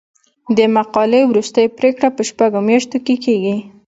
د مقالې وروستۍ پریکړه په شپږو میاشتو کې کیږي.